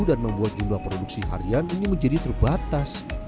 dan membuat jumlah produksi harian ini menjadi terbatas